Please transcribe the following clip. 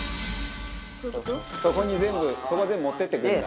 「そこに全部そこ全部持っていってくれるんだ」